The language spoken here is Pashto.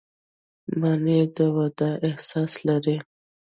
منی د وداع احساس لري